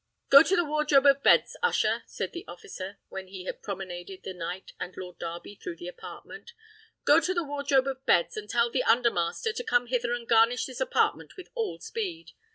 "Go to the wardrobe of beds, usher," said the officer, when he had promenaded the knight and Lord Darby through the apartment; "go to the wardrobe of beds, and tell the undermaster to come hither and garnish this apartment with all speed.